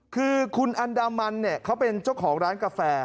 คือคุณอันดามันเนี่ยเขาเป็นเจ้าของร้านกาแฟ